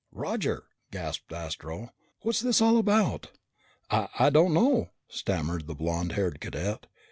"Roger," gasped Astro, "what's this all about?" "I I don't know," stammered the blond haired cadet.